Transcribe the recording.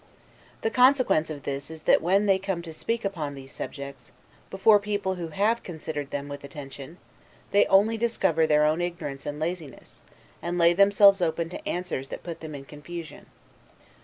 The consequence of this is that when they come to speak upon these subjects, before people who have considered them with attention; they only discover their own ignorance and laziness, and lay themselves open to answers that put them in confusion.